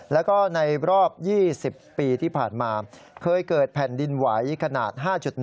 แล้วก็ในรอบ๒๐ปีที่ผ่านมาเคยเกิดแผ่นดินไหวขนาด๕๑